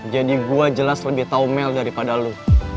jadi gua jelas lebih tau mel daripada lu